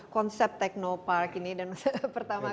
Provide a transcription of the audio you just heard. konsep teknopark ini dan pertama kali